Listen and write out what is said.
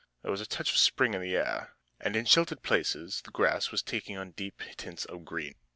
There was a touch of spring in the air, and in sheltered places the grass was taking on deep tints of green.